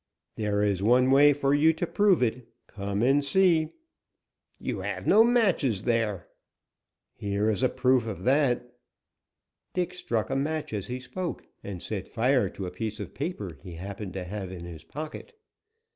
"There is one way for you to prove it, come and see." "You have no matches there." "Here is proof of that." Dick struck a match as he spoke, and set fire to a piece of paper he happened to have in his pocket.